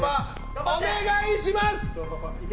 お願いします。